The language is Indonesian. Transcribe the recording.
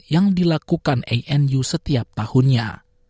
yang dilakukan anu setiap tahunnya